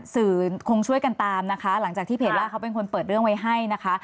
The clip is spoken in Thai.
คงช่วยกันตามนะคะหลังจากที่เพจล่าเขาเป็นคนเปิดเรื่องไว้ให้นะคะ